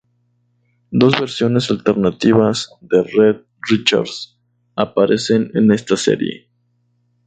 Dos versiones alternativas de Reed Richards aparecen en esta serie.